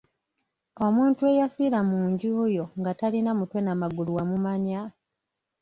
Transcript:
Omuntu eyafiira mu nju yo nga talina mutwe na magulu wamumanya?